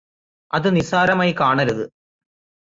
അത് നിസ്സാരമായി കാണരുത്